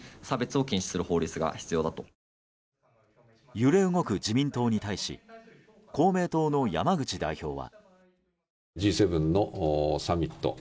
揺れ動く自民党に対し公明党の山口代表は。